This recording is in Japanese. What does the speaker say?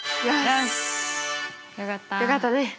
よかったね！